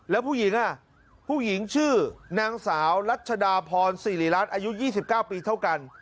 แล้วผู้หญิงผู้หญิงชื่อนางสาวรัชดาพรสิริรัตน์อายุ๒๙ปีเท่ากัน